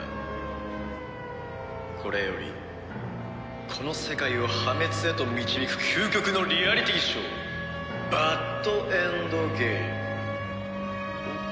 「これよりこの世界を破滅へと導く究極のリアリティーショーバッドエンドゲームを開幕する」